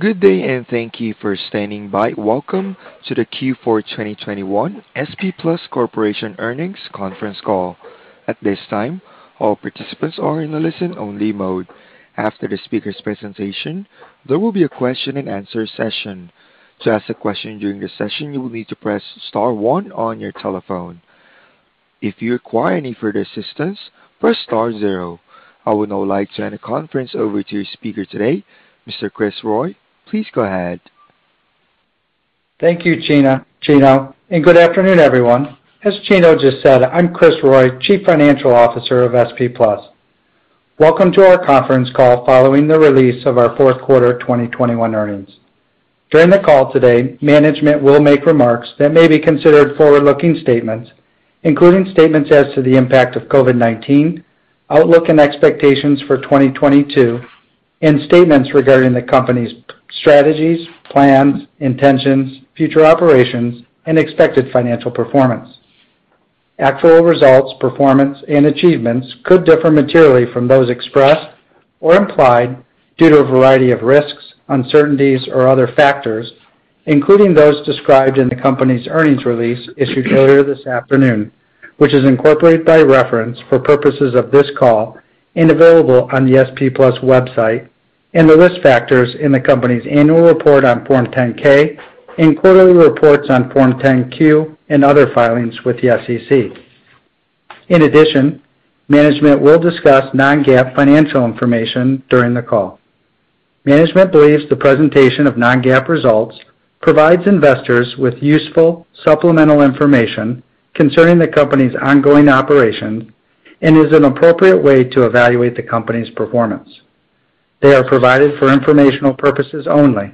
Good day, and thank you for standing by. Welcome to the Q4 2021 SP Plus Corporation earnings conference call. At this time, all participants are in a listen-only mode. After the speaker's presentation, there will be a question-and-answer session. To ask a question during the session, you will need to press star one on your telephone. If you require any further assistance, press star zero. I would now like to hand the conference over to your speaker today, Mr. Kris Roy. Please go ahead. Thank you, Gino, and good afternoon, everyone. As Gino just said, I'm Kristopher Roy, Chief Financial Officer of SP Plus. Welcome to our conference call following the release of our fourth quarter 2021 earnings. During the call today, management will make remarks that may be considered forward-looking statements, including statements as to the impact of COVID-19, outlook and expectations for 2022, and statements regarding the company's strategies, plans, intentions, future operations, and expected financial performance. Actual results, performance, and achievements could differ materially from those expressed or implied due to a variety of risks, uncertainties, or other factors, including those described in the company's earnings release issued earlier this afternoon, which is incorporated by reference for purposes of this call and available on the SP Plus website, and the risk factors in the company's annual report on Form 10-K and quarterly reports on Form 10-Q and other filings with the SEC. In addition, management will discuss non-GAAP financial information during the call. Management believes the presentation of non-GAAP results provides investors with useful supplemental information concerning the company's ongoing operations and is an appropriate way to evaluate the company's performance. They are provided for informational purposes only.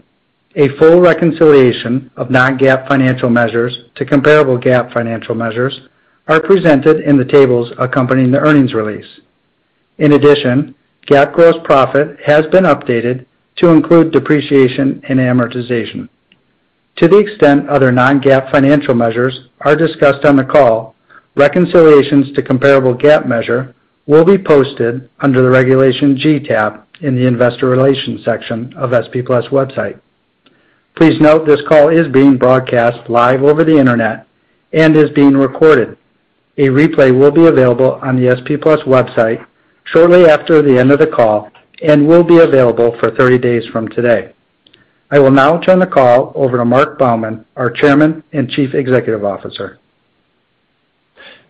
A full reconciliation of non-GAAP financial measures to comparable GAAP financial measures are presented in the tables accompanying the earnings release. In addition, GAAP gross profit has been updated to include depreciation and amortization. To the extent other non-GAAP financial measures are discussed on the call, reconciliations to comparable GAAP measure will be posted under the Regulation G tab in the investor relations section of SP Plus website. Please note this call is being broadcast live over the internet and is being recorded. A replay will be available on the SP Plus website shortly after the end of the call and will be available for 30 days from today. I will now turn the call over to Marc Baumann, our Chairman and Chief Executive Officer.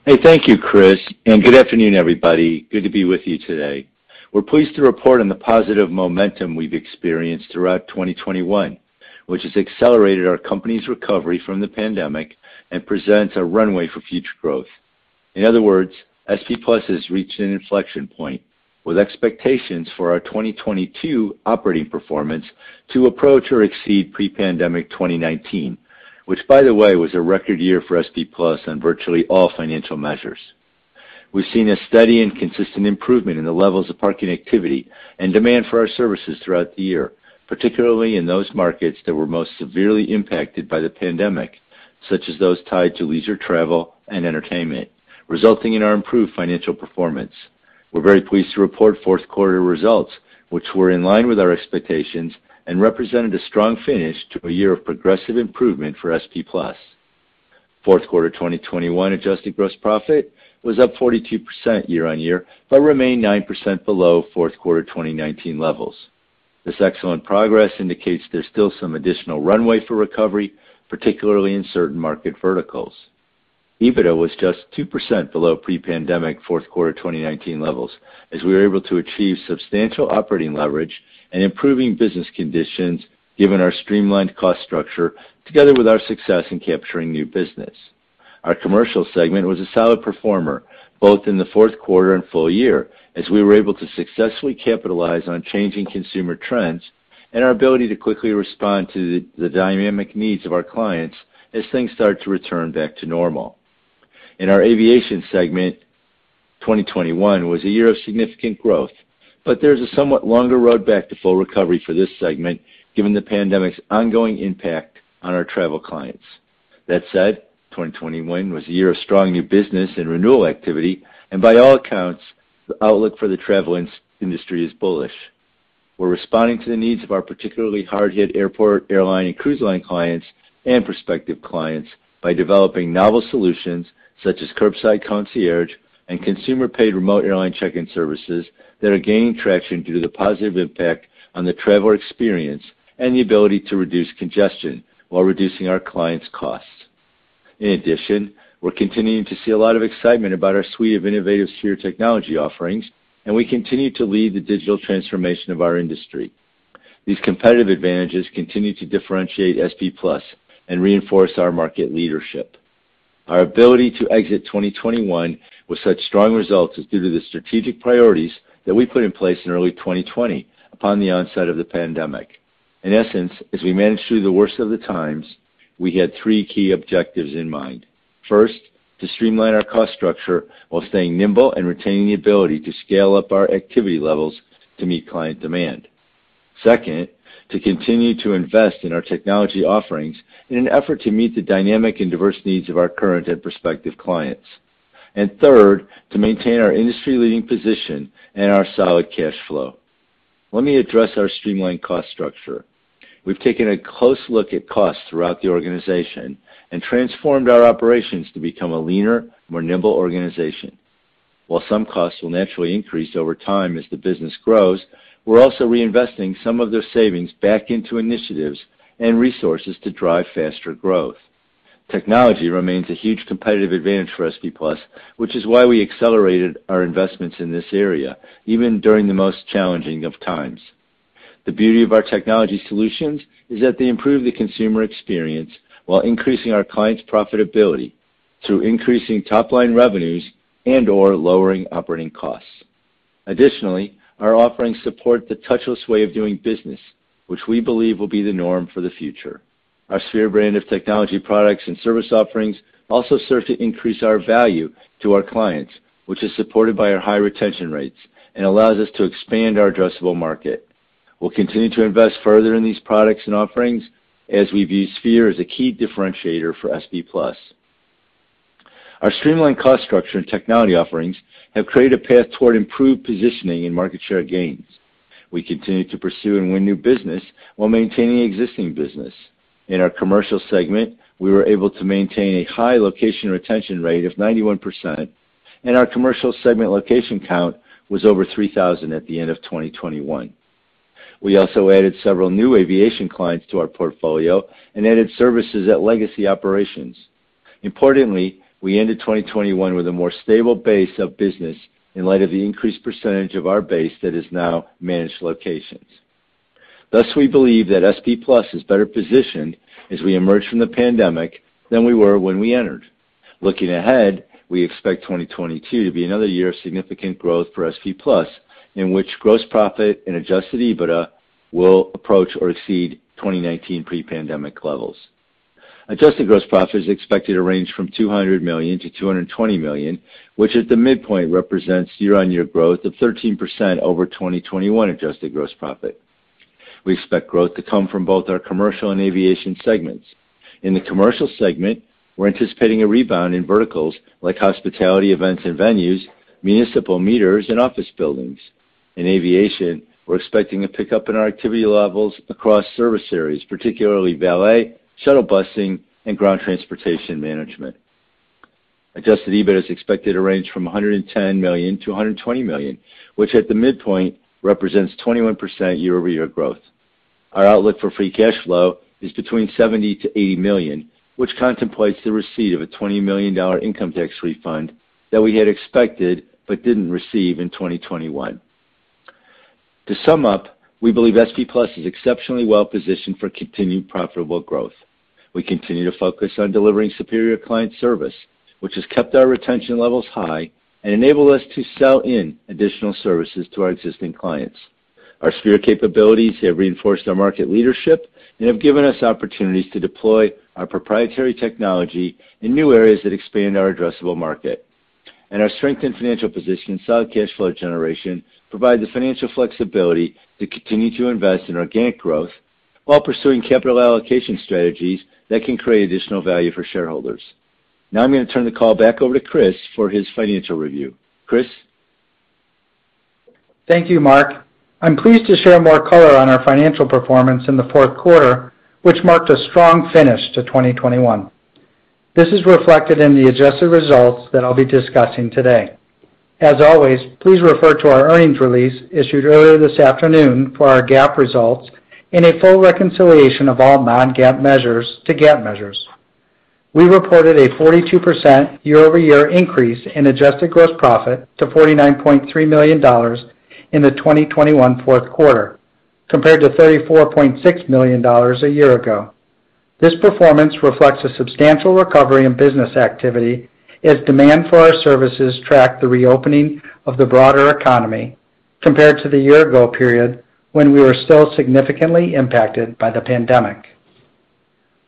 Hey, thank you, Kris, and good afternoon, everybody. Good to be with you today. We're pleased to report on the positive momentum we've experienced throughout 2021, which has accelerated our company's recovery from the pandemic and presents a runway for future growth. In other words, SP Plus has reached an inflection point with expectations for our 2022 operating performance to approach or exceed pre-pandemic 2019, which by the way, was a record year for SP Plus on virtually all financial measures. We've seen a steady and consistent improvement in the levels of parking activity and demand for our services throughout the year, particularly in those markets that were most severely impacted by the pandemic, such as those tied to leisure, travel, and entertainment, resulting in our improved financial performance. We're very pleased to report fourth quarter results, which were in line with our expectations and represented a strong finish to a year of progressive improvement for SP Plus. Fourth quarter 2021 adjusted gross profit was up 42% year-over-year, but remained 9% below fourth quarter 2019 levels. This excellent progress indicates there's still some additional runway for recovery, particularly in certain market verticals. EBITDA was just 2% below pre-pandemic fourth quarter 2019 levels, as we were able to achieve substantial operating leverage and improving business conditions given our streamlined cost structure together with our success in capturing new business. Our Commercial segment was a solid performer both in the fourth quarter and full year as we were able to successfully capitalize on changing consumer trends and our ability to quickly respond to the dynamic needs of our clients as things start to return back to normal. In our Aviation segment, 2021 was a year of significant growth, but there's a somewhat longer road back to full recovery for this segment given the pandemic's ongoing impact on our travel clients. That said, 2021 was a year of strong new business and renewal activity, and by all accounts, the outlook for the travel industry is bullish. We're responding to the needs of our particularly hard-hit airport, airline, and cruise line clients and prospective clients by developing novel solutions such as Curbside Concierge and consumer-paid remote airline check-in services that are gaining traction due to the positive impact on the traveler experience and the ability to reduce congestion while reducing our clients' costs. In addition, we're continuing to see a lot of excitement about our suite of innovative Sphere technology offerings, and we continue to lead the digital transformation of our industry. These competitive advantages continue to differentiate SP Plus and reinforce our market leadership. Our ability to exit 2021 with such strong results is due to the strategic priorities that we put in place in early 2020 upon the onset of the pandemic. In essence, as we managed through the worst of the times, we had three key objectives in mind. First, to streamline our cost structure while staying nimble and retaining the ability to scale up our activity levels to meet client demand. Second, to continue to invest in our technology offerings in an effort to meet the dynamic and diverse needs of our current and prospective clients. Third, to maintain our industry-leading position and our solid cash flow. Let me address our streamlined cost structure. We've taken a close look at costs throughout the organization and transformed our operations to become a leaner, more nimble organization. While some costs will naturally increase over time as the business grows, we're also reinvesting some of those savings back into initiatives and resources to drive faster growth. Technology remains a huge competitive advantage for SP Plus, which is why we accelerated our investments in this area even during the most challenging of times. The beauty of our technology solutions is that they improve the consumer experience while increasing our clients' profitability through increasing top-line revenues and/or lowering operating costs. Additionally, our offerings support the touchless way of doing business, which we believe will be the norm for the future. Our Sphere brand of technology products and service offerings also serve to increase our value to our clients, which is supported by our high retention rates and allows us to expand our addressable market. We'll continue to invest further in these products and offerings as we view Sphere as a key differentiator for SP Plus. Our streamlined cost structure and technology offerings have created a path toward improved positioning and market share gains. We continue to pursue and win new business while maintaining existing business. In our commercial segment, we were able to maintain a high location retention rate of 91%, and our commercial segment location count was over 3,000 at the end of 2021. We also added several new aviation clients to our portfolio and added services at legacy operations. Importantly, we ended 2021 with a more stable base of business in light of the increased percentage of our base that is now managed locations. Thus, we believe that SP Plus is better positioned as we emerge from the pandemic than we were when we entered. Looking ahead, we expect 2022 to be another year of significant growth for SP Plus, in which gross profit and adjusted EBITDA will approach or exceed 2019 pre-pandemic levels. Adjusted gross profit is expected to range from $200 million-$220 million, which at the midpoint represents year-over-year growth of 13% over 2021 adjusted gross profit. We expect growth to come from both our commercial and aviation segments. In the commercial segment, we're anticipating a rebound in verticals like hospitality events and venues, municipal meters, and office buildings. In aviation, we're expecting a pickup in our activity levels across service areas, particularly valet, shuttle busing, and ground transportation management. Adjusted EBIT is expected to range from $110 million-$120 million, which at the midpoint represents 21% year-over-year growth. Our outlook for free cash flow is between $70 million-$80 million, which contemplates the receipt of a $20 million income tax refund that we had expected but didn't receive in 2021. To sum up, we believe SP Plus is exceptionally well-positioned for continued profitable growth. We continue to focus on delivering superior client service, which has kept our retention levels high and enabled us to sell in additional services to our existing clients. Our Sphere capabilities have reinforced our market leadership and have given us opportunities to deploy our proprietary technology in new areas that expand our addressable market. Our strengthened financial position, solid cash flow generation provide the financial flexibility to continue to invest in organic growth while pursuing capital allocation strategies that can create additional value for shareholders. Now I'm gonna turn the call back over to Kris for his financial review. Kris? Thank you, Marc. I'm pleased to share more color on our financial performance in the fourth quarter, which marked a strong finish to 2021. This is reflected in the adjusted results that I'll be discussing today. As always, please refer to our earnings release issued earlier this afternoon for our GAAP results and a full reconciliation of all non-GAAP measures to GAAP measures. We reported a 42% year-over-year increase in adjusted gross profit to $49.3 million in the 2021 fourth quarter, compared to $34.6 million a year ago. This performance reflects a substantial recovery in business activity as demand for our services tracked the reopening of the broader economy compared to the year-ago period when we were still significantly impacted by the pandemic.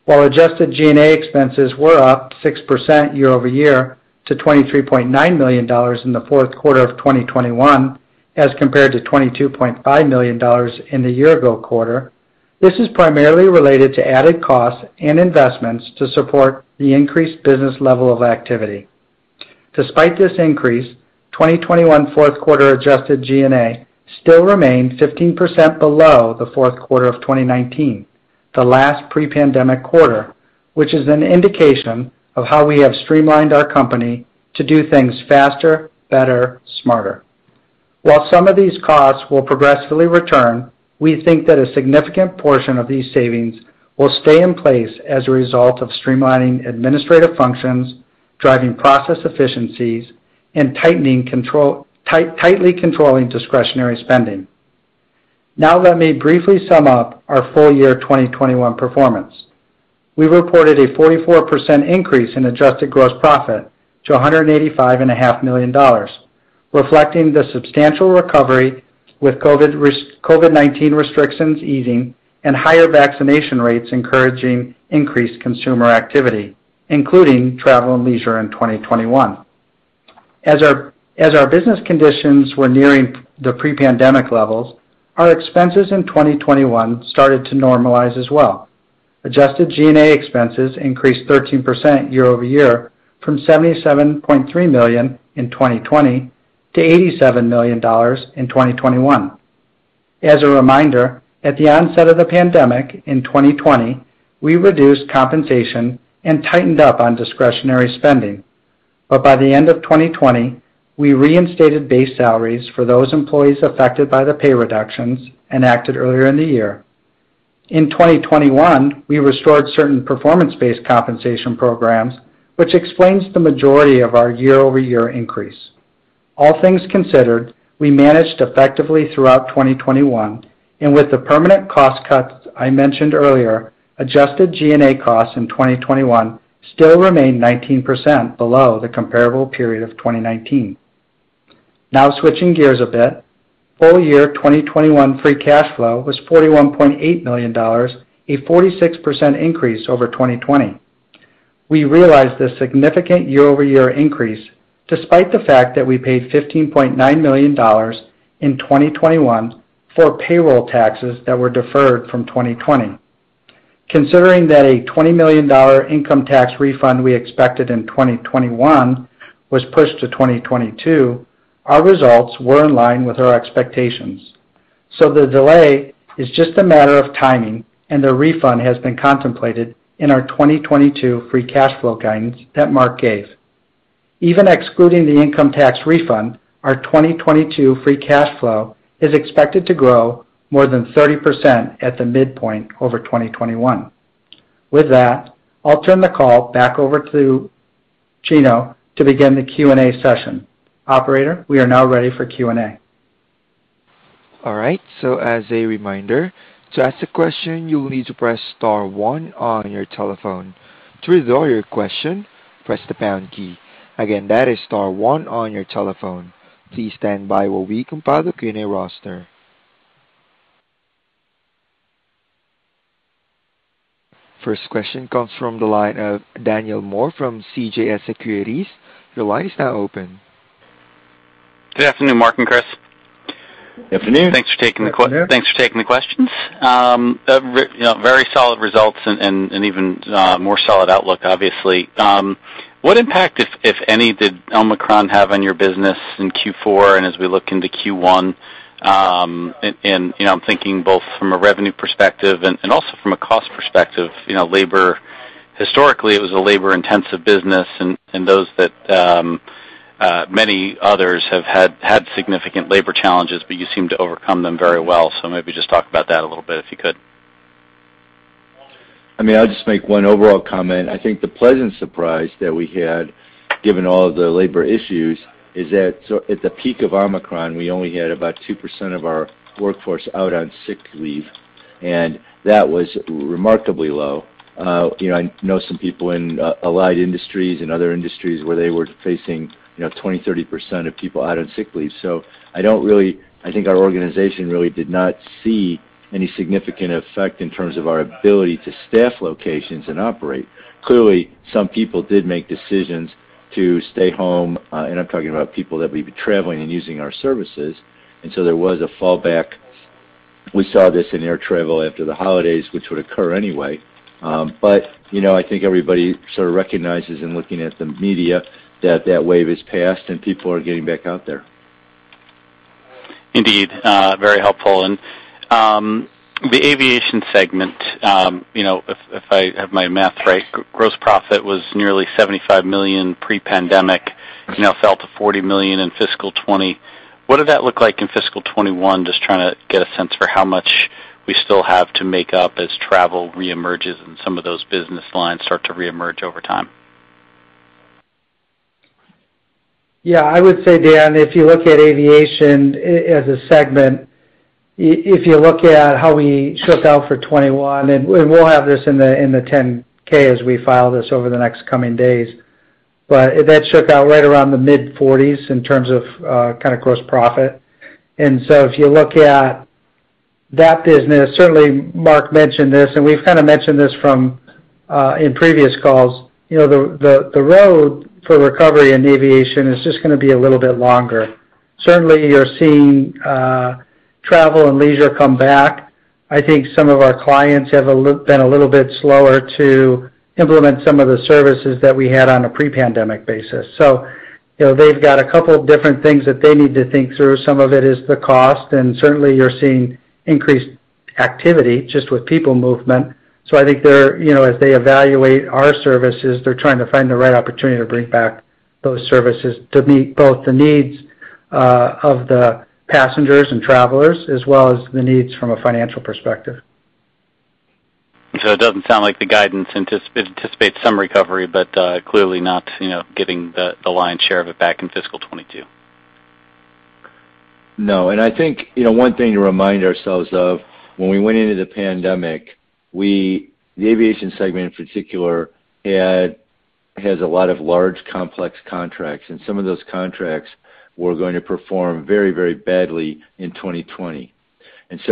While adjusted G&A expenses were up 6% year-over-year to $23.9 million in the fourth quarter of 2021, as compared to $22.5 million in the year-ago quarter, this is primarily related to added costs and investments to support the increased business level of activity. Despite this increase, 2021 fourth quarter adjusted G&A still remained 15% below the fourth quarter of 2019, the last pre-pandemic quarter, which is an indication of how we have streamlined our company to do things faster, better, smarter. While some of these costs will progressively return, we think that a significant portion of these savings will stay in place as a result of streamlining administrative functions, driving process efficiencies, and tightening control, tightly controlling discretionary spending. Now let me briefly sum up our full year 2021 performance. We reported a 44% increase in adjusted gross profit to $185.5 million, reflecting the substantial recovery with COVID-19 restrictions easing and higher vaccination rates encouraging increased consumer activity, including travel and leisure in 2021. As our business conditions were nearing the pre-pandemic levels, our expenses in 2021 started to normalize as well. Adjusted G&A expenses increased 13% year over year from $77.3 million in 2020 to $87 million in 2021. As a reminder, at the onset of the pandemic in 2020 we reduced compensation and tightened up on discretionary spending. By the end of 2020 we reinstated base salaries for those employees affected by the pay reductions enacted earlier in the year. In 2021, we restored certain performance-based compensation programs, which explains the majority of our year-over-year increase. All things considered, we managed effectively throughout 2021 and with the permanent cost cuts I mentioned earlier, adjusted G&A costs in 2021 still remain 19% below the comparable period of 2019. Now switching gears a bit. Full year 2021 free cash flow was $41.8 million, a 46% increase over 2020. We realized this significant year-over-year increase despite the fact that we paid $15.9 million in 2021 for payroll taxes that were deferred from 2020. Considering that a $20 million income tax refund we expected in 2021 was pushed to 2022, our results were in line with our expectations. The delay is just a matter of timing and the refund has been contemplated in our 2022 free cash flow guidance that Marc gave. Even excluding the income tax refund, our 2022 free cash flow is expected to grow more than 30% at the midpoint over 2021. With that, I'll turn the call back over to Chino to begin the Q&A session. Operator, we are now ready for Q&A. All right. As a reminder, to ask a question you will need to press star one on your telephone. To withdraw your question, press the pound key. Again, that is star one on your telephone. Please stand by while we compile the Q&A roster. First question comes from the line of Daniel Moore from CJS Securities. Your line is now open. Good afternoon, Marc and Kris. Afternoon. Thanks for taking the questions. You know, very solid results and even more solid outlook, obviously. What impact, if any, did Omicron have on your business in Q4 and as we look into Q1? And you know, I'm thinking both from a revenue perspective and also from a cost perspective. You know, labor historically it was a labor-intensive business and those that many others have had significant labor challenges, but you seem to overcome them very well. So maybe just talk about that a little bit, if you could. I mean, I'll just make one overall comment. I think the pleasant surprise that we had, given all the labor issues, is that so at the peak of Omicron, we only had about 2% of our workforce out on sick leave, and that was remarkably low. You know, I know some people in allied industries and other industries where they were facing, you know, 20%, 30% of people out on sick leave. I think our organization really did not see any significant effect in terms of our ability to staff locations and operate. Clearly, some people did make decisions to stay home. I'm talking about people that would be traveling and using our services. There was a fallback. We saw this in air travel after the holidays, which would occur anyway. You know, I think everybody sort of recognizes in looking at the media that that wave has passed and people are getting back out there. Indeed, very helpful. The aviation segment, you know, if I have my math right, gross profit was nearly $75 million pre-pandemic. Mm-hmm. Now fell to $40 million in fiscal 2020. What did that look like in fiscal 2021? Just trying to get a sense for how much we still have to make up as travel reemerges and some of those business lines start to reemerge over time. I would say, Daniel Moore, if you look at aviation as a segment, if you look at how we shook out for 2021, and we'll have this in the 10-K as we file this over the next coming days. That shook out right around the mid-forties in terms of kind of gross profit. If you look at that business, certainly Marc Baumann mentioned this, and we've kind of mentioned this from in previous calls, you know, the road for recovery in aviation is just gonna be a little bit longer. Certainly, you're seeing travel and leisure come back. I think some of our clients have been a little bit slower to implement some of the services that we had on a pre-pandemic basis. You know, they've got a couple different things that they need to think through. Some of it is the cost, and certainly you're seeing increased activity just with people movement. I think they're, you know, as they evaluate our services, they're trying to find the right opportunity to bring back those services to meet both the needs, of the passengers and travelers, as well as the needs from a financial perspective. It doesn't sound like the guidance anticipates some recovery, but clearly not, you know, giving the lion's share of it back in fiscal 2022. No. I think, you know, one thing to remind ourselves of when we went into the pandemic, the aviation segment in particular has a lot of large complex contracts, and some of those contracts were going to perform very, very badly in 2020.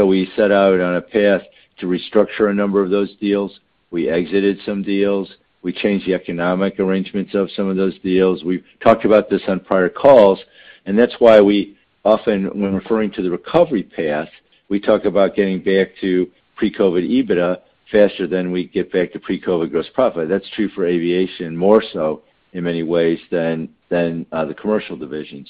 We set out on a path to restructure a number of those deals. We exited some deals. We changed the economic arrangements of some of those deals. We've talked about this on prior calls. That's why we often, when referring to the recovery path, we talk about getting back to pre-COVID EBITDA faster than we get back to pre-COVID gross profit. That's true for aviation more so in many ways than the commercial division.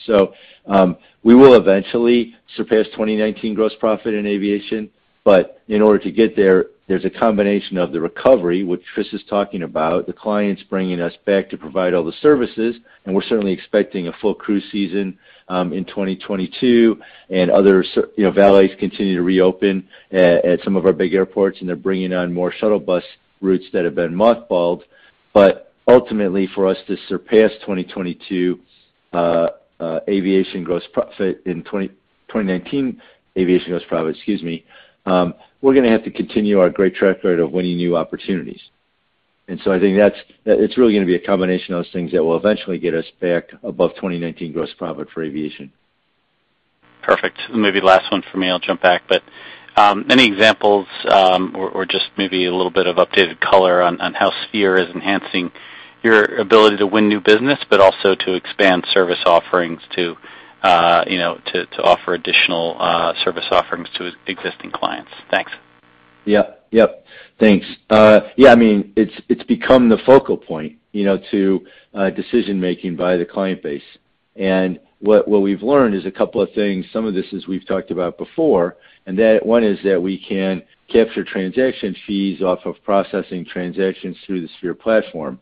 We will eventually surpass 2019 gross profit in aviation, but in order to get there's a combination of the recovery, which Kris is talking about, the clients bringing us back to provide all the services, and we're certainly expecting a full cruise season in 2022. You know, valets continue to reopen at some of our big airports, and they're bringing on more shuttle bus routes that have been mothballed. Ultimately, for us to surpass 2022 aviation gross profit in 2019 aviation gross profit, we're gonna have to continue our great track record of winning new opportunities. I think that's it. It's really gonna be a combination of those things that will eventually get us back above 2019 gross profit for aviation. Perfect. Maybe last one for me, I'll jump back. Any examples, or just maybe a little bit of updated color on how Sphere is enhancing your ability to win new business, but also to expand service offerings to you know to offer additional service offerings to existing clients? Thanks. Yep. Thanks. Yeah, I mean, it's become the focal point, you know, to decision-making by the client base. What we've learned is a couple of things. Some of this is we've talked about before, and that one is that we can capture transaction fees off of processing transactions through the Sphere platform.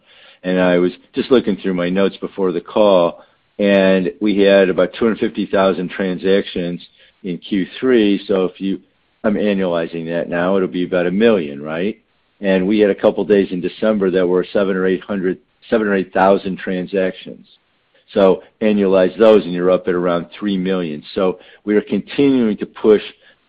I was just looking through my notes before the call, and we had about 250,000 transactions in Q3. I'm annualizing that now, it'll be about a million, right? We had a couple days in December that were 7,000 or 8,000 transactions. Annualize those, and you're up at around 3 million. We are continuing to push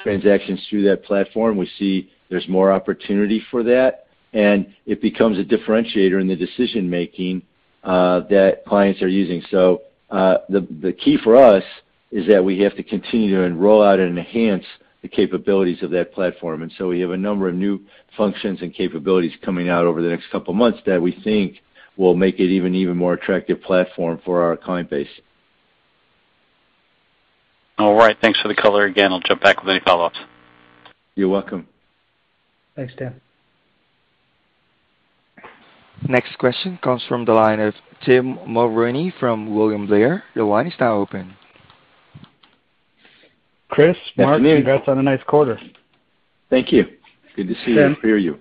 transactions through that platform. We see there's more opportunity for that, and it becomes a differentiator in the decision-making that clients are using. The key for us is that we have to continue to roll out and enhance the capabilities of that platform. We have a number of new functions and capabilities coming out over the next couple months that we think will make it even more attractive platform for our client base. All right, thanks for the color. Again, I'll jump back with any follow-ups. You're welcome. Thanks, Tim. Next question comes from the line of Tim Mulrooney from William Blair. Your line is now open. Kris, Mark Good afternoon. Congrats on a nice quarter. Thank you. Good to see you and hear you.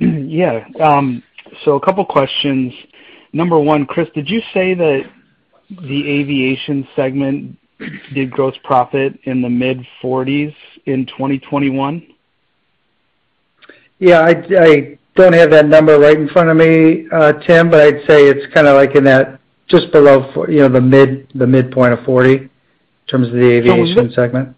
Yeah. A couple questions. Number one, Kris, did you say that the aviation segment did gross profit in the mid-forties in 2021? Yeah. I don't have that number right in front of me, Tim, but I'd say it's kind of like just below, you know, the midpoint of 40 in terms of the aviation segment.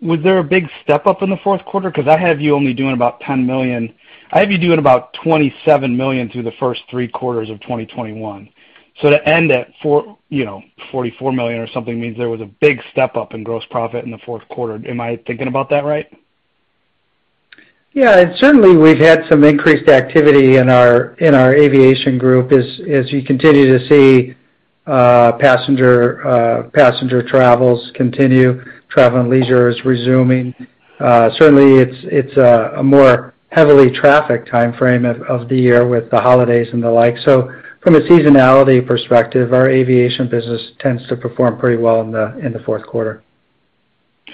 Was there a big step-up in the fourth quarter? 'Cause I have you only doing about $10 million. I have you doing about $27 million through the first three quarters of 2021. To end at, you know, $44 million or something means there was a big step-up in gross profit in the fourth quarter. Am I thinking about that right? Yeah. Certainly we've had some increased activity in our aviation group as you continue to see passenger travel continues. Travel and leisure is resuming. Certainly it's a more heavily trafficked timeframe of the year with the holidays and the like. From a seasonality perspective, our aviation business tends to perform pretty well in the fourth quarter.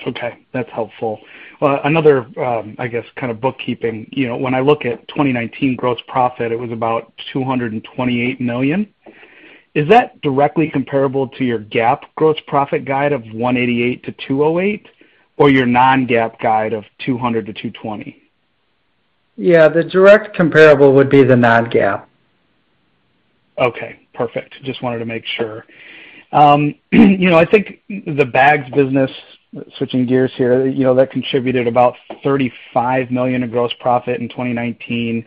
Okay, that's helpful. Well, another, I guess, kind of bookkeeping. You know, when I look at 2019 gross profit, it was about $228 million. Is that directly comparable to your GAAP gross profit guide of $188 million-$208 million or your non-GAAP guide of $200 million-$220 million? Yeah. The direct comparable would be the non-GAAP. Okay, perfect. Just wanted to make sure. You know, I think the Bags business, switching gears here, you know, that contributed about $35 million in gross profit in 2019.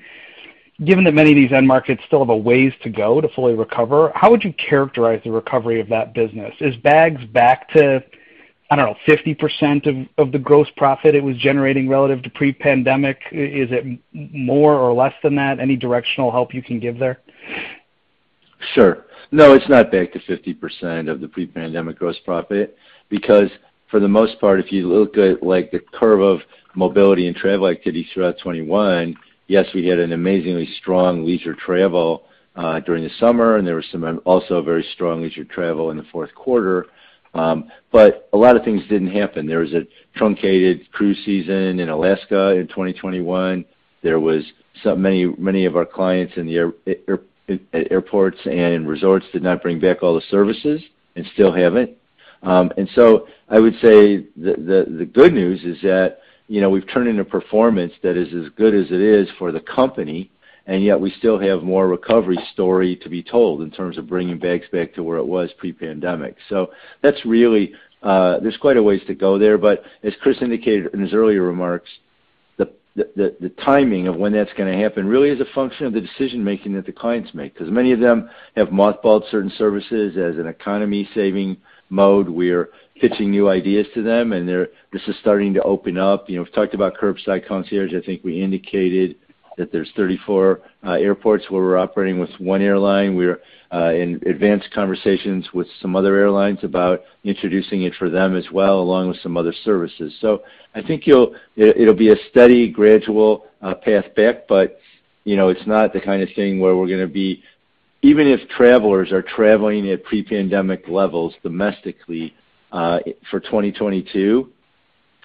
Given that many of these end markets still have a ways to go to fully recover, how would you characterize the recovery of that business? Is Bags back to, I don't know, 50% of the gross profit it was generating relative to pre-pandemic? Is it more or less than that? Any directional help you can give there? Sure. No, it's not back to 50% of the pre-pandemic gross profit because for the most part, if you look at, like, the curve of mobility and travel activity throughout 2021, yes, we had an amazingly strong leisure travel during the summer, and there was some also very strong leisure travel in the fourth quarter. But a lot of things didn't happen. There was a truncated cruise season in Alaska in 2021. There was so many of our clients in the airports and resorts did not bring back all the services and still haven't. I would say the good news is that, you know, we've turned in a performance that is as good as it is for the company, and yet we still have more recovery story to be told in terms of bringing Bags back to where it was pre-pandemic. That's really. There's quite a ways to go there. As Kris indicated in his earlier remarks, the timing of when that's gonna happen really is a function of the decision-making that the clients make. 'Cause many of them have mothballed certain services as an economy-saving mode. We're pitching new ideas to them, and they're, this is starting to open up. You know, we've talked about Curbside Concierge. I think we indicated that there's 34 airports where we're operating with one airline. We're in advanced conversations with some other airlines about introducing it for them as well, along with some other services. I think it'll be a steady, gradual path back, but you know, it's not the kind of thing where we're gonna be even if travelers are traveling at pre-pandemic levels domestically for 2022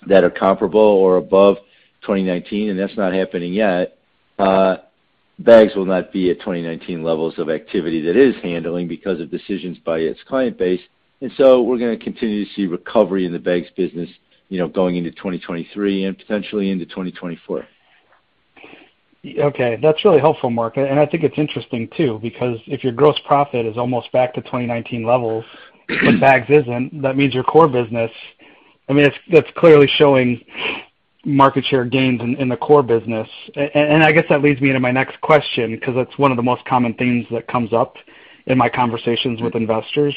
that are comparable or above 2019, and that's not happening yet, Bags will not be at 2019 levels of activity that it is handling because of decisions by its client base. We're gonna continue to see recovery in the Bags business, you know, going into 2023 and potentially into 2024. Okay. That's really helpful, Marc. I think it's interesting too because if your gross profit is almost back to 2019 levels and Bags isn't, that means your core business. I mean, it's clearly showing market share gains in the core business. I guess that leads me into my next question because that's one of the most common themes that comes up in my conversations with investors,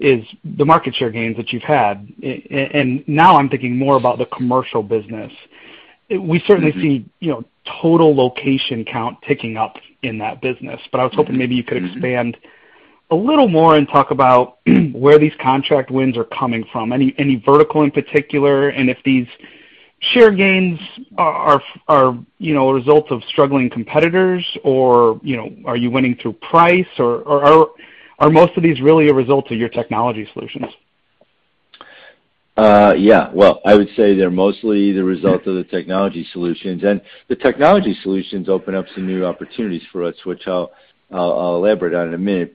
is the market share gains that you've had. Now I'm thinking more about the commercial business. We certainly see- Mm-hmm. You know, total location count picking up in that business, but I was hoping maybe you could expand a little more and talk about where these contract wins are coming from. Any vertical in particular, and if these share gains are, you know, a result of struggling competitors or, you know, are you winning through price? Or are most of these really a result of your technology solutions? Well, I would say they're mostly the result of the technology solutions. The technology solutions open up some new opportunities for us, which I'll elaborate on in a minute.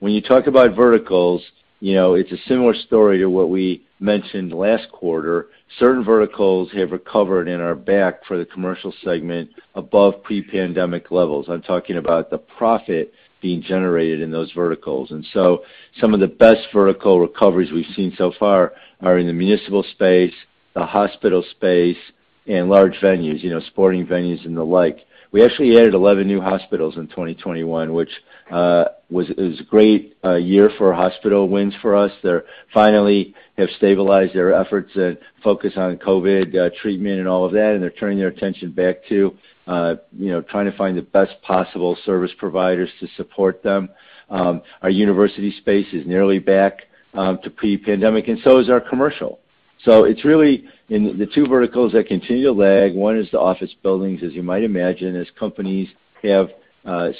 When you talk about verticals, you know, it's a similar story to what we mentioned last quarter. Certain verticals have recovered and are back for the commercial segment above pre-pandemic levels. I'm talking about the profit being generated in those verticals. Some of the best vertical recoveries we've seen so far are in the municipal space, the hospital space, and large venues, you know, sporting venues and the like. We actually added 11 new hospitals in 2021, which was a great year for hospital wins for us. They're finally have stabilized their efforts and focus on COVID treatment and all of that, and they're turning their attention back to you know, trying to find the best possible service providers to support them. Our university space is nearly back to pre-pandemic, and so is our commercial. It's really in the two verticals that continue to lag, one is the office buildings, as you might imagine, as companies have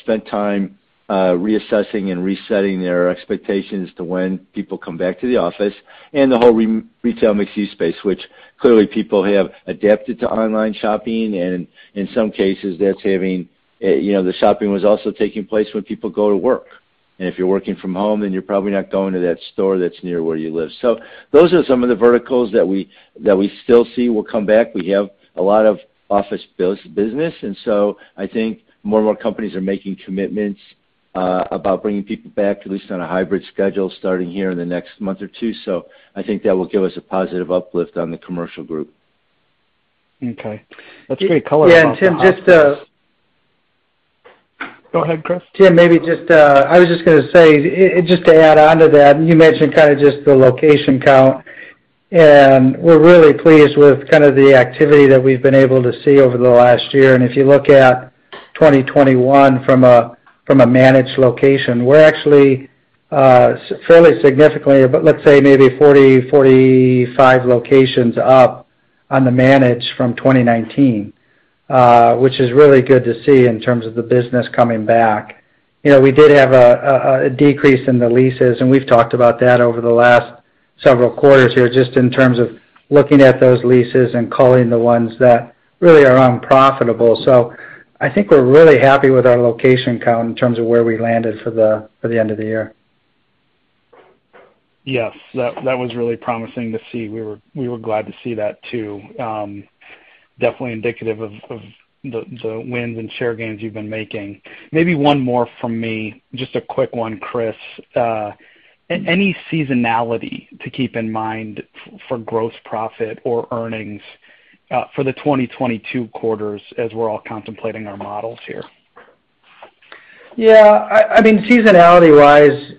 spent time reassessing and resetting their expectations to when people come back to the office, and the whole retail mixed-use space, which clearly people have adapted to online shopping. In some cases, that's having you know, the shopping was also taking place when people go to work. If you're working from home, then you're probably not going to that store that's near where you live. Those are some of the verticals that we still see will come back. We have a lot of office business, and I think more and more companies are making commitments about bringing people back, at least on a hybrid schedule, starting here in the next month or two. I think that will give us a positive uplift on the commercial group. Okay. That's great color about the office. Yeah. Tim, just, Go ahead, Chris. Tim, maybe just I was just gonna say, just to add on to that, you mentioned kind of just the location count, and we're really pleased with kind of the activity that we've been able to see over the last year. If you look at 2021 from a managed location, we're actually fairly significantly, but let's say maybe 40-45 locations up on the managed from 2019, which is really good to see in terms of the business coming back. You know, we did have a decrease in the leases, and we've talked about that over the last several quarters here, just in terms of looking at those leases and culling the ones that really are unprofitable. I think we're really happy with our location count in terms of where we landed for the end of the year. Yes. That was really promising to see. We were glad to see that too. Definitely indicative of the wins and share gains you've been making. Maybe one more from me, just a quick one, Kris. Any seasonality to keep in mind for gross profit or earnings for the 2022 quarters as we're all contemplating our models here? Yeah. I mean, seasonality-wise,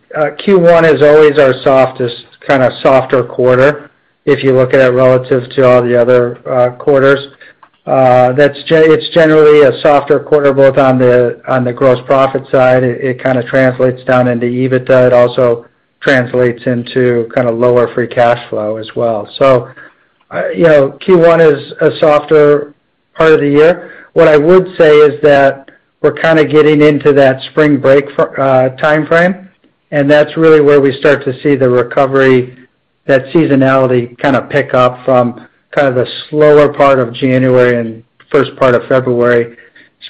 Q1 is always our softest, kind of softer quarter if you look at it relative to all the other quarters. It's generally a softer quarter both on the gross profit side. It kind of translates down into EBITDA. It also translates into kind of lower free cash flow as well. You know, Q1 is a softer part of the year. What I would say is that we're kind of getting into that spring break timeframe, and that's really where we start to see the recovery, that seasonality kind of pick up from kind of the slower part of January and first part of February.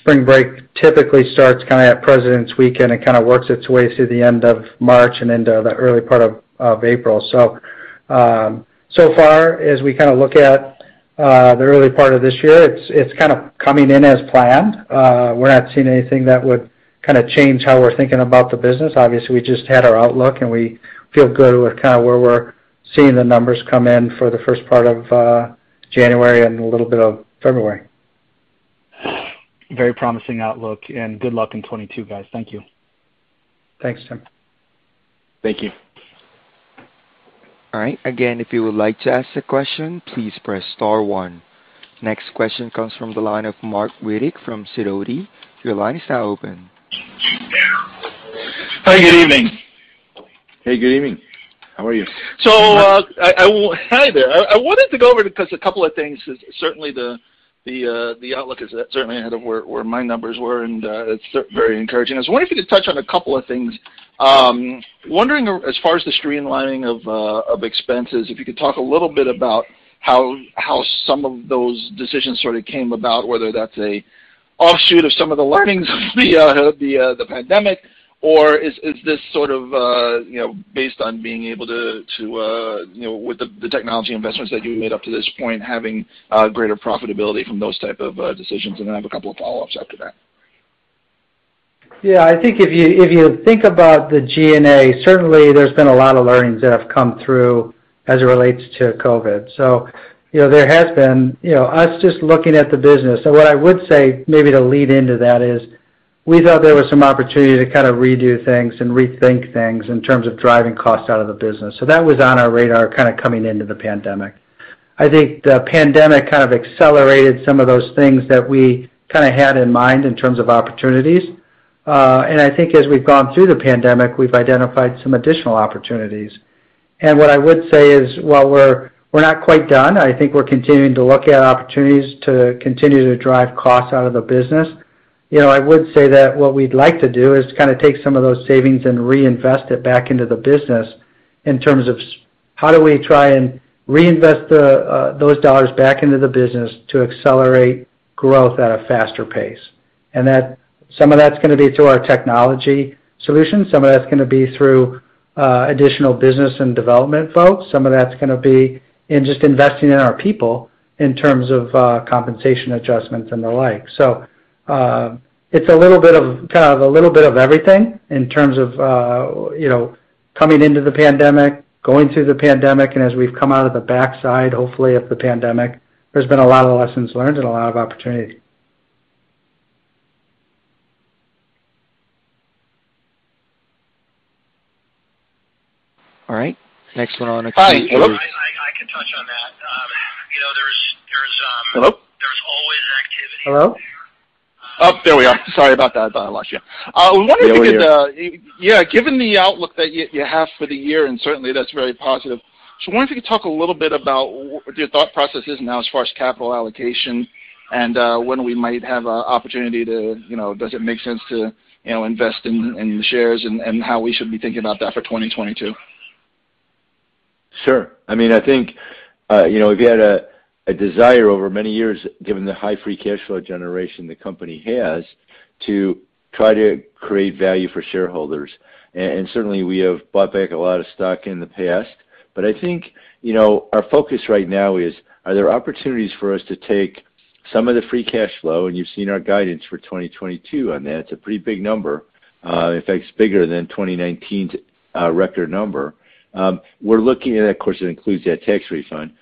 Spring break typically starts kind of at Presidents' Day Weekend and kind of works its way through the end of March and into the early part of April. So far, as we kind of look at the early part of this year, it's kind of coming in as planned. We're not seeing anything that would kind of change how we're thinking about the business. Obviously, we just had our outlook, and we feel good with kind of where we're Seeing the numbers come in for the first part of January and a little bit of February. Very promising outlook, and good luck in 2022, guys. Thank you. Thanks, Tim. Thank you. All right. Again, if you would like to ask a question, please press star one. Next question comes from the line of Marc Riddick from Sidoti. Your line is now open. Hi, good evening. Hey, good evening. How are you? Hi there. I wanted to go over just a couple of things 'cause certainly the outlook is certainly ahead of where my numbers were, and it's very encouraging. I was wondering if you could touch on a couple of things. Wondering as far as the streamlining of expenses, if you could talk a little bit about how some of those decisions sort of came about, whether that's an offshoot of some of the learnings of the pandemic, or is this sort of, you know, based on being able to, you know, with the technology investments that you made up to this point having greater profitability from those type of decisions? Then I have a couple of follow-ups after that. Yeah. I think if you think about the G&A, certainly there's been a lot of learnings that have come through as it relates to COVID. You know, there has been, you know, us just looking at the business. What I would say maybe to lead into that is we thought there was some opportunity to kind of redo things and rethink things in terms of driving costs out of the business. That was on our radar kinda coming into the pandemic. I think the pandemic kind of accelerated some of those things that we kinda had in mind in terms of opportunities. I think as we've gone through the pandemic, we've identified some additional opportunities. What I would say is while we're not quite done, I think we're continuing to look at opportunities to continue to drive costs out of the business. You know, I would say that what we'd like to do is kinda take some of those savings and reinvest it back into the business in terms of how do we try and reinvest those dollars back into the business to accelerate growth at a faster pace? Some of that's gonna be through our technology solutions, some of that's gonna be through additional business and development folks, some of that's gonna be in just investing in our people in terms of compensation adjustments and the like. It's a little bit of, kind of a little bit of everything in terms of, you know, coming into the pandemic, going through the pandemic, and as we've come out of the backside, hopefully, of the pandemic. There's been a lot of lessons learned and a lot of opportunity. All right. Next one on the queue is. Hi. I can touch on that. You know, there's Hello? There's always activity. Hello? Oh, there we are. Sorry about that. I lost you. We were wondering if you could, No worry. Yeah, given the outlook that you have for the year, and certainly that's very positive, just wondering if you could talk a little bit about what your thought process is now as far as capital allocation and when we might have an opportunity to. You know, does it make sense to, you know, invest in the shares and how we should be thinking about that for 2022? Sure. I mean, I think, you know, we've had a desire over many years, given the high free cash flow generation the company has, to try to create value for shareholders. Certainly we have bought back a lot of stock in the past. I think, you know, our focus right now is, are there opportunities for us to take some of the free cash flow, and you've seen our guidance for 2022, I mean, it's a pretty big number, in fact, it's bigger than 2019's record number. We're looking at, of course, it includes that tax refund.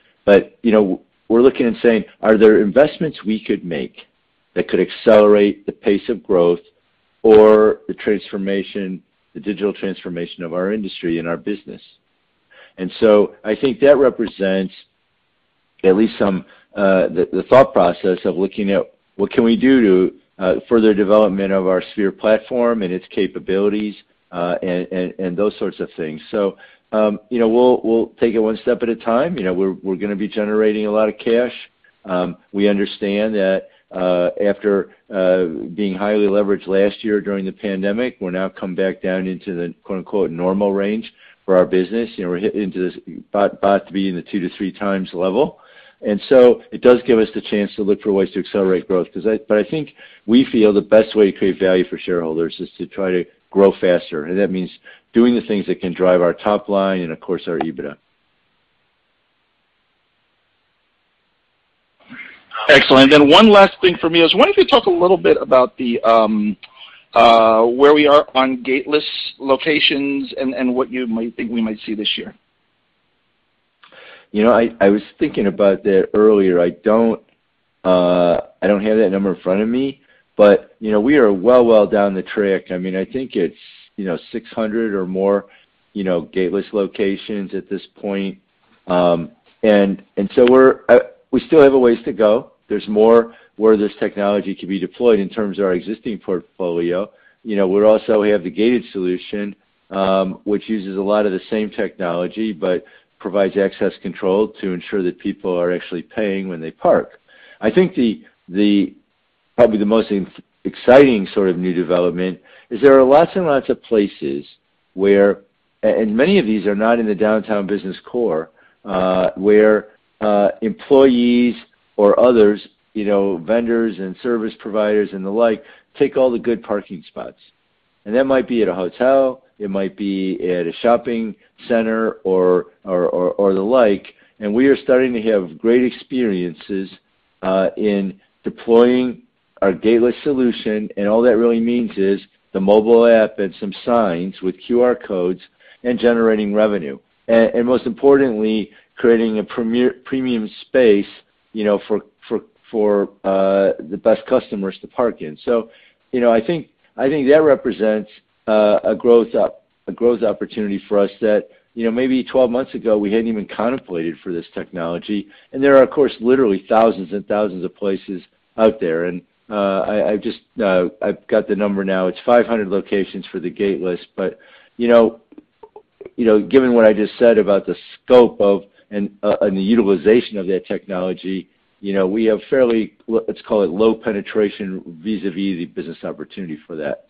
You know, we're looking and saying, are there investments we could make that could accelerate the pace of growth or the transformation, the digital transformation of our industry and our business? I think that represents at least some of the thought process of looking at what we can do to further development of our Sphere platform and its capabilities, and those sorts of things. You know, we'll take it one step at a time. You know, we're gonna be generating a lot of cash. We understand that after being highly leveraged last year during the pandemic, we're now come back down into the "normal range" for our business. You know, we're heading into this about to be in the 2-3x level. It does give us the chance to look for ways to accelerate growth. I think we feel the best way to create value for shareholders is to try to grow faster, and that means doing the things that can drive our top line and of course our EBITDA. Excellent. One last thing for me is wondering if you could talk a little bit about where we are on gateless locations and what you might think we might see this year? You know, I was thinking about that earlier. I don't have that number in front of me, but you know, we are well down the track. I mean, I think it's you know, 600 or more you know, gateless locations at this point. We still have a ways to go. There's more where this technology could be deployed in terms of our existing portfolio. You know, we also have the gated solution, which uses a lot of the same technology, but provides access control to ensure that people are actually paying when they park. I think the probably the most exciting sort of new development is there are lots and lots of places where, and many of these are not in the downtown business core, where, employees or others, you know, vendors and service providers and the like, take all the good parking spots. That might be at a hotel, it might be at a shopping center or the like, and we are starting to have great experiences in deploying our gateless solution, and all that really means is the mobile app and some signs with QR codes and generating revenue. Most importantly, creating a premium space, you know, for the best customers to park in. You know, I think that represents a growth opportunity for us that, you know, maybe 12 months ago we hadn't even contemplated for this technology. There are, of course, literally thousands and thousands of places out there. I've just got the number now, it's 500 locations for the gateless. You know, given what I just said about the scope and the utilization of that technology, you know, we have fairly, let's call it low penetration vis-à-vis the business opportunity for that.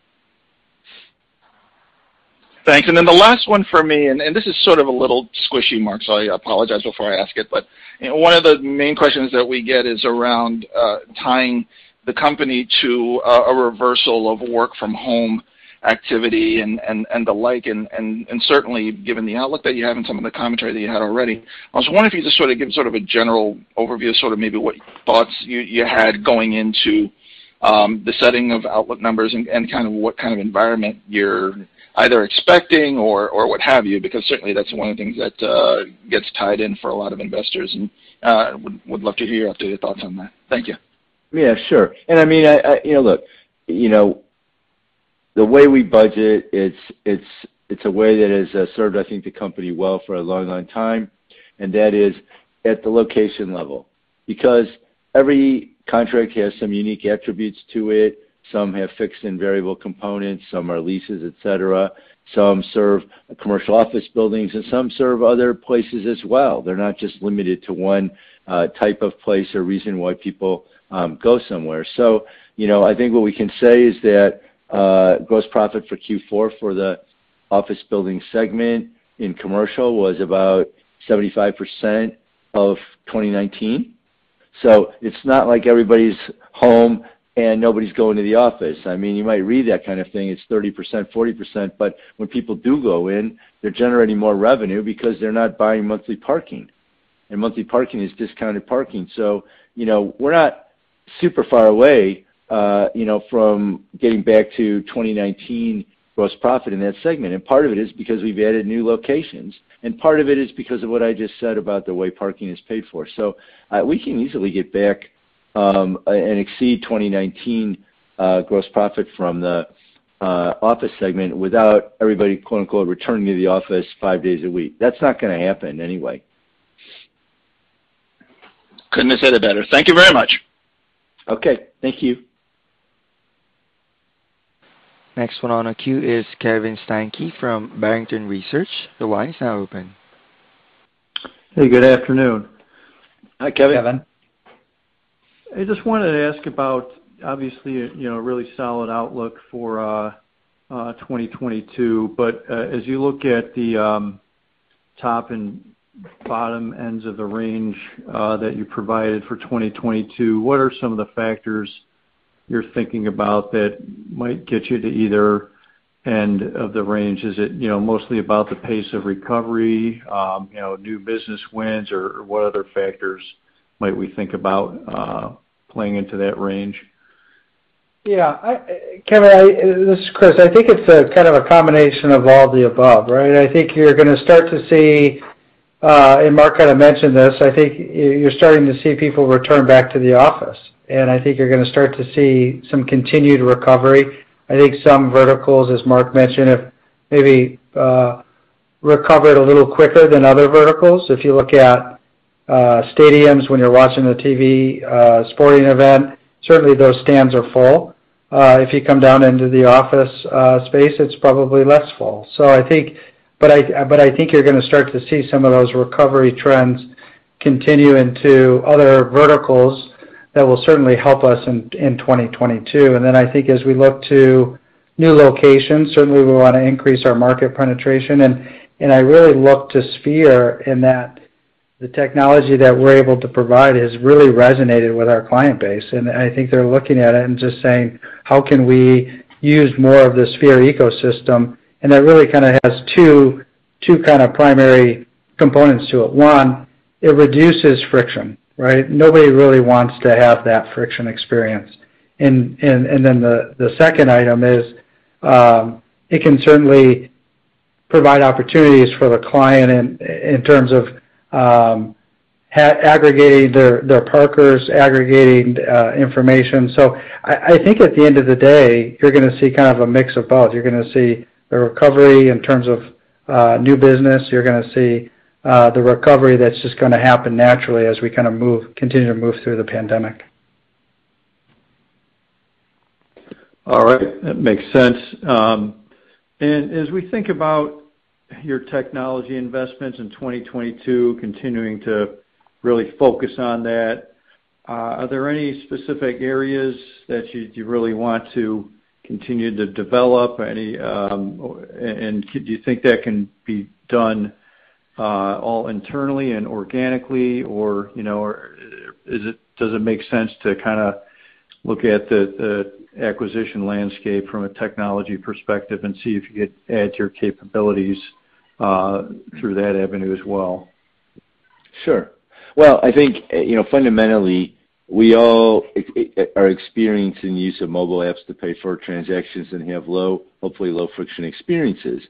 Thanks. The last one for me, and this is sort of a little squishy, Mark, so I apologize before I ask it, but one of the main questions that we get is around tying the company to a reversal of work from home activity and the like, and certainly given the outlook that you have and some of the commentary that you had already. I was wondering if you could just sort of give sort of a general overview of sort of maybe what thoughts you had going into the setting of outlook numbers and kind of what kind of environment you're either expecting or what have you, because certainly that's one of the things that gets tied in for a lot of investors, and would love to hear your updated thoughts on that. Thank you. Yeah, sure. I mean, you know, look, you know, the way we budget, it's a way that has served, I think, the company well for a long, long time, and that is at the location level. Because every contract has some unique attributes to it. Some have fixed and variable components, some are leases, et cetera. Some serve commercial office buildings, and some serve other places as well. They're not just limited to one type of place or reason why people go somewhere. You know, I think what we can say is that gross profit for Q4 for the office building segment in commercial was about 75% of 2019. It's not like everybody's home and nobody's going to the office. I mean, you might read that kind of thing, it's 30%, 40%, but when people do go in, they're generating more revenue because they're not buying monthly parking. Monthly parking is discounted parking. You know, we're not super far away, you know, from getting back to 2019 gross profit in that segment. Part of it is because we've added new locations, and part of it is because of what I just said about the way parking is paid for. We can easily get back and exceed 2019 gross profit from the office segment without everybody "returning to the office five days a week." That's not gonna happen anyway. Couldn't have said it better. Thank you very much. Okay. Thank you. Next one on the queue is Kevin Steinke from Barrington Research. The line is now open. Hey, good afternoon. Hi, Kevin. Kevin. I just wanted to ask about, obviously, you know, really solid outlook for 2022. As you look at the top and bottom ends of the range that you provided for 2022, what are some of the factors you're thinking about that might get you to either end of the range? Is it, you know, mostly about the pace of recovery, you know, new business wins, or what other factors might we think about playing into that range? Yeah. Kevin, this is Kris. I think it's a kind of a combination of all the above, right? I think you're gonna start to see, and Marc kind of mentioned this, I think you're starting to see people return back to the office, and I think you're gonna start to see some continued recovery. I think some verticals, as Marc mentioned, have maybe recovered a little quicker than other verticals. If you look at stadiums when you're watching the TV sporting event, certainly those stands are full. If you come down into the office space, it's probably less full. But I think you're gonna start to see some of those recovery trends continue into other verticals that will certainly help us in 2022. Then I think as we look to new locations, certainly we want to increase our market penetration. I really look to sphere in that the technology that we're able to provide has really resonated with our client base. I think they're looking at it and just saying, "How can we use more of the Sphere ecosystem?" That really kind of has two kind of primary components to it. One, it reduces friction, right? Nobody really wants to have that friction experience. Then the second item is, it can certainly provide opportunities for the client in terms of aggregating their parkers, aggregating information. I think at the end of the day, you're gonna see kind of a mix of both. You're gonna see the recovery in terms of new business. You're gonna see the recovery that's just gonna happen naturally as we kind of continue to move through the pandemic. All right. That makes sense. As we think about your technology investments in 2022 continuing to really focus on that, are there any specific areas that you really want to continue to develop? Any. Do you think that can be done all internally and organically? You know, does it make sense to kinda look at the acquisition landscape from a technology perspective and see if you could add to your capabilities through that avenue as well? Sure. Well, I think, you know, fundamentally, we all are experiencing use of mobile apps to pay for transactions and have low, hopefully low-friction experiences.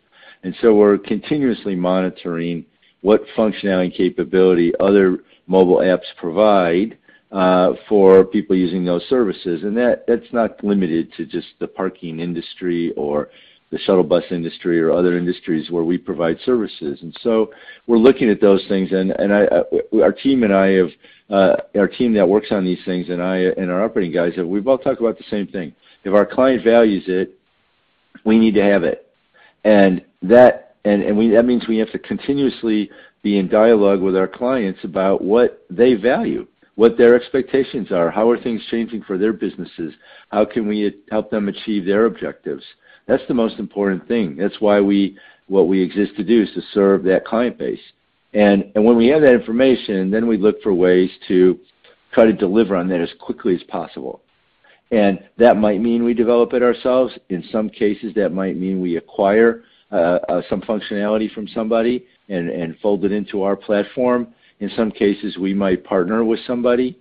We're continuously monitoring what functionality and capability other mobile apps provide for people using those services. That's not limited to just the parking industry or the shuttle bus industry or other industries where we provide services. We're looking at those things, and our team that works on these things and our operating guys, we've all talked about the same thing. If our client values it, we need to have it. That means we have to continuously be in dialogue with our clients about what they value, what their expectations are, how are things changing for their businesses, how can we help them achieve their objectives? That's the most important thing. That's why what we exist to do is to serve that client base. When we have that information, then we look for ways to try to deliver on that as quickly as possible. That might mean we develop it ourselves. In some cases, that might mean we acquire some functionality from somebody and fold it into our platform. In some cases, we might partner with somebody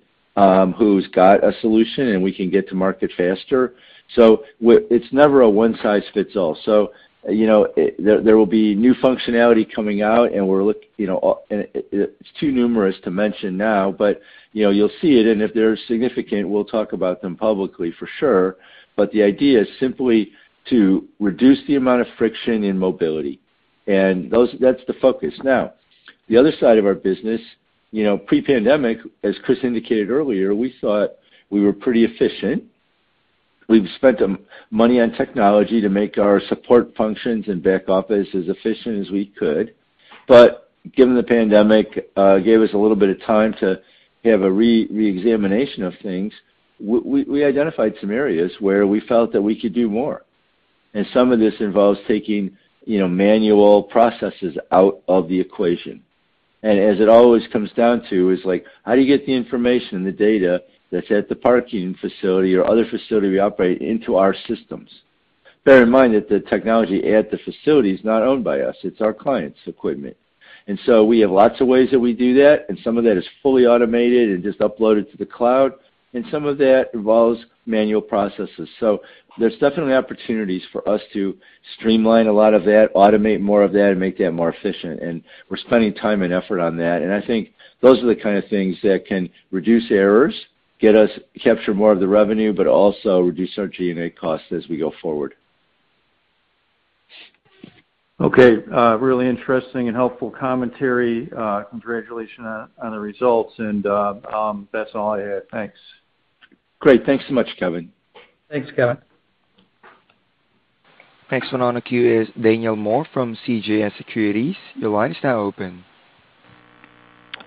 who's got a solution, and we can get to market faster. It's never a one size fits all. You know, there will be new functionality coming out, you know, it's too numerous to mention now, but, you know, you'll see it, and if they're significant, we'll talk about them publicly for sure. The idea is simply to reduce the amount of friction in mobility. Those, that's the focus. Now, the other side of our business, you know, pre-pandemic, as Kris indicated earlier, we thought we were pretty efficient. We've spent money on technology to make our support functions and back office as efficient as we could. Given the pandemic gave us a little bit of time to have a reexamination of things, we identified some areas where we felt that we could do more. Some of this involves taking, you know, manual processes out of the equation. As it always comes down to, is like, how do you get the information and the data that's at the parking facility or other facility we operate into our systems? Bear in mind that the technology at the facility is not owned by us, it's our clients' equipment. We have lots of ways that we do that, and some of that is fully automated and just uploaded to the cloud, and some of that involves manual processes. There's definitely opportunities for us to streamline a lot of that, automate more of that, and make that more efficient. We're spending time and effort on that. I think those are the kind of things that can reduce errors, get us capture more of the revenue, but also reduce our G&A costs as we go forward. Okay. Really interesting and helpful commentary. Congratulations on the results. That's all I had. Thanks. Great. Thanks so much, Kevin. Thanks, Kevin. Next one on the queue is Daniel Moore from CJS Securities. Your line is now open.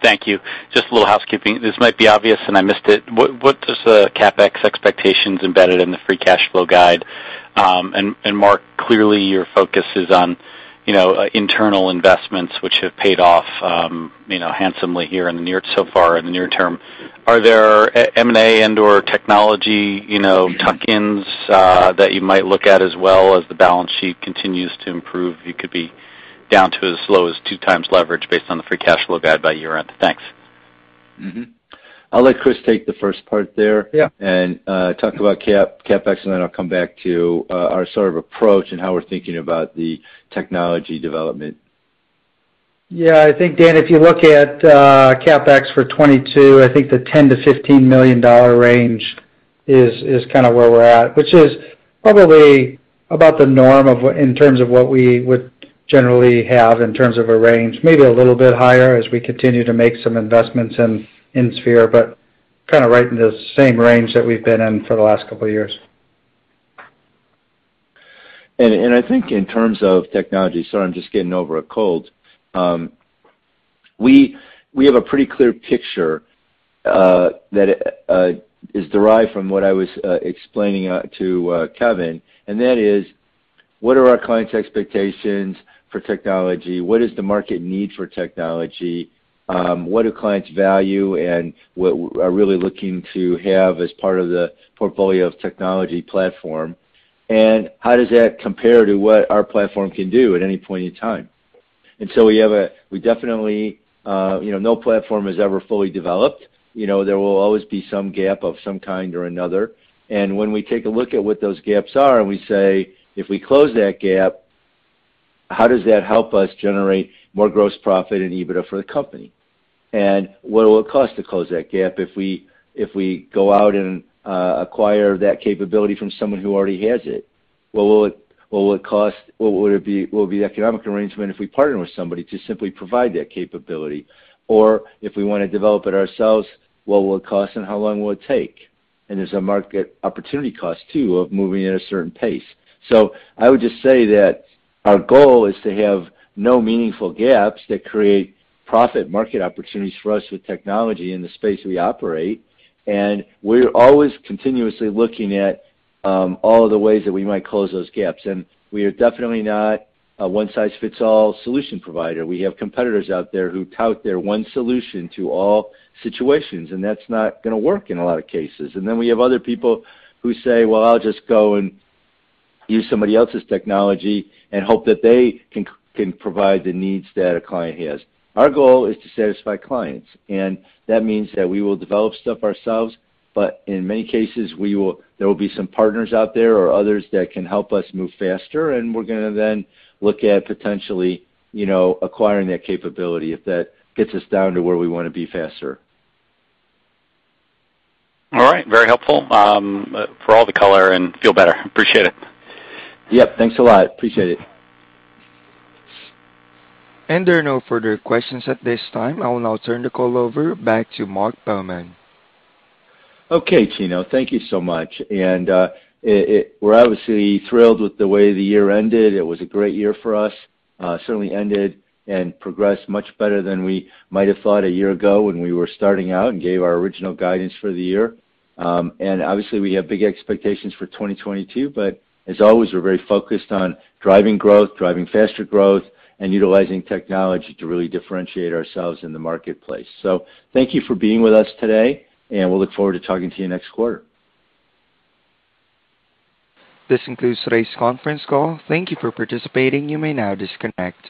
Thank you. Just a little housekeeping. This might be obvious, and I missed it. What does the CapEx expectations embedded in the free cash flow guide? And Marc, clearly your focus is on, you know, internal investments which have paid off, you know, handsomely so far in the near term. Are there M&A and/or technology, you know, tuck-ins that you might look at as well as the balance sheet continues to improve? You could be down to as low as 2x leverage based on the free cash flow guide by year-end. Thanks. Mm-hmm. I'll let Kris take the first part there. Yeah. Talk about CapEx, and then I'll come back to our sort of approach and how we're thinking about the technology development. Yeah. I think, Dan, if you look at CapEx for 2022, I think the $10 million-$15 million range is kind of where we're at. Which is probably about the norm of what in terms of what we would generally have in terms of a range. Maybe a little bit higher as we continue to make some investments in Sphere, but kinda right in the same range that we've been in for the last couple of years. I think in terms of technology, sorry, I'm just getting over a cold. We have a pretty clear picture that is derived from what I was explaining to Kevin, and that is, what are our clients' expectations for technology? What is the market need for technology? What do clients value and what we are really looking to have as part of the portfolio of technology platform? How does that compare to what our platform can do at any point in time? We definitely, you know, no platform is ever fully developed. You know, there will always be some gap of some kind or another. When we take a look at what those gaps are and we say, "If we close that gap, how does that help us generate more gross profit and EBITDA for the company? What will it cost to close that gap if we go out and acquire that capability from someone who already has it? What would be the economic arrangement if we partner with somebody to simply provide that capability? Or if we wanna develop it ourselves, what will it cost and how long will it take? There's a market opportunity cost too of moving at a certain pace. I would just say that our goal is to have no meaningful gaps that create profit market opportunities for us with technology in the space we operate, and we're always continuously looking at, all of the ways that we might close those gaps. We are definitely not a one size fits all solution provider. We have competitors out there who tout their one solution to all situations, and that's not gonna work in a lot of cases. We have other people who say, "Well, I'll just go and use somebody else's technology and hope that they can provide the needs that a client has." Our goal is to satisfy clients, and that means that we will develop stuff ourselves, but in many cases, there will be some partners out there or others that can help us move faster, and we're gonna then look at potentially, you know, acquiring that capability if that gets us down to where we wanna be faster. All right. Very helpful for all the color, and feel better. Appreciate it. Yep. Thanks a lot. Appreciate it. There are no further questions at this time. I will now turn the call over back to Marc Baumann. Okay, Gino. Thank you so much. We're obviously thrilled with the way the year ended. It was a great year for us. Certainly ended and progressed much better than we might have thought a year ago when we were starting out and gave our original guidance for the year. Obviously we have big expectations for 2022, but as always, we're very focused on driving growth, driving faster growth, and utilizing technology to really differentiate ourselves in the marketplace. Thank you for being with us today, and we'll look forward to talking to you next quarter. This concludes today's conference call. Thank you for participating. You may now disconnect.